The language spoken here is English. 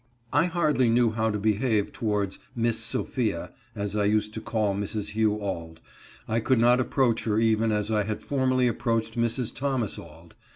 I hardly knew how to behave towards " Miss Sopha," as I used to call Mrs. Hugh Auld. I could not approach her even as I had formerly approached Mrs. Thomas Auld.